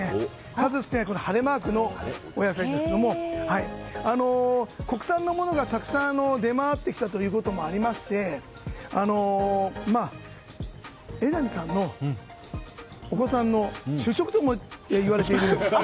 数少ない晴れマークのお野菜ですが国産のものがたくさん出回ってきたということもありまして榎並さんのお子さんの主食とも言われている